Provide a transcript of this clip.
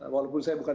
walaupun saya bukan